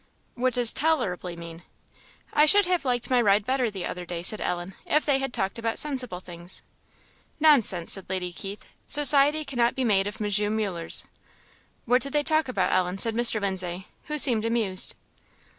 "What does 'tolerably' mean?" "I should have liked my ride better the other day," said Ellen, "if they had talked about sensible things." "Nonsense!" said Lady Keith. "Society cannot be made up of M. Mullers." "What did they talk about, Ellen?" said Mr. Lindsay, who seemed amused.